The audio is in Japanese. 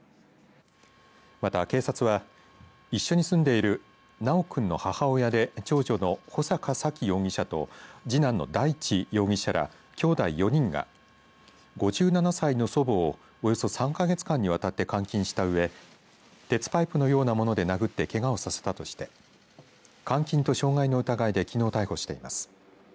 また、警察は一緒に住んでいる修君の母親で長女の穂坂沙喜容疑者と次男の大地容疑者らきょうだい４人が５７歳の祖母をおよそ３か月間にわたって監禁したうえ鉄パイプのような物で殴ってけがをさせたとして監禁と傷害の疑いできのう逮捕しています。